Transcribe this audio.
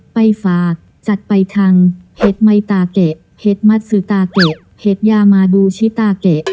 ไปฝากจัดไปทางเห็ดไมตาเกะเห็ดมัดซือตาเกะเห็ดยามาดูชิตาเกะ